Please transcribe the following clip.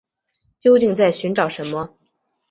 究竟在寻找什么